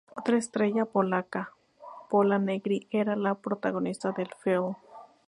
Otra estrella polaca, Pola Negri, era la protagonista del film.